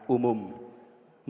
memajukan kesejahteraan umum